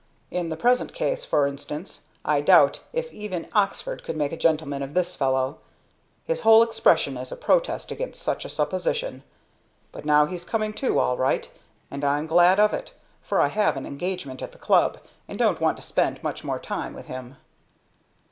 In the present case, for instance, I doubt if even Oxford could make a gentleman of this fellow. His whole expression is a protest against such a supposition. But now he's coming to all right, and I'm glad of it, for I have an engagement at the club, and don't want to spend much more time with him."